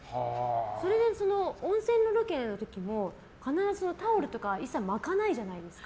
それで温泉のロケの時も必ずタオルとか一切巻かないじゃないですか。